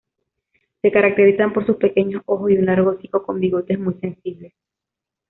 Se caracterizan por sus pequeños ojos y un largo hocico con bigotes muy sensibles.